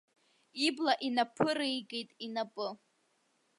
Ибла инаԥыреикит инапы.